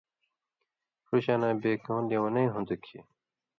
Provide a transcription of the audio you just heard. ݜُو شاناں بے کؤں لېونئ ہون٘دوۡ کھیں